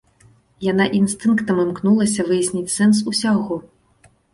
Яна інстынктам імкнулася выясніць сэнс усяго.